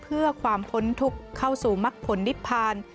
เพื่อความพ้นทุกข์เข้าสู่มักผลนิพพาน